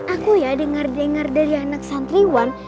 aku ya dengar dengar dari anak santriwan